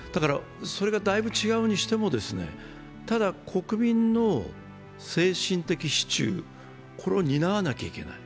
それがだいぶ違うにしても、ただ国民の精神的支柱を担わなくてはいけない。